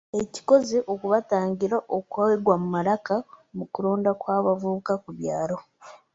Ekikoze okubatangira okwegwa mu malaka mu kulonda kw’abavubuka ku byalo.